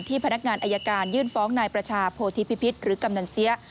พนักงานอายการยื่นฟ้องนายประชาโพธิพิพิษหรือกำนันเสีย